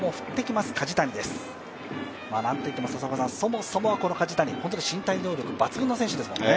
なんといっても、そもそもはこの梶谷、本当に身体能力、抜群の選手ですもんね。